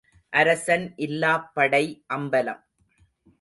அரசன் இல்லாப் படை அம்பலம்.